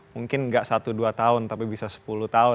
mungkin gak satu dua tahun tapi bisa sepuluh tahun lima belas tahun